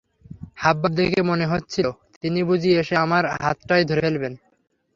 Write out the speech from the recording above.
হাবভাব দেখে মনে হচ্ছিল, তিনি বুঝি এসে আমার হাতটাই ধরে ফেলবেন।